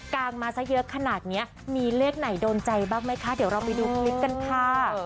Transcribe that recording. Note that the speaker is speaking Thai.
งมาซะเยอะขนาดนี้มีเลขไหนโดนใจบ้างไหมคะเดี๋ยวเราไปดูคลิปกันค่ะ